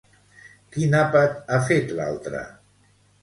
Quin àpat ha fet l'altra?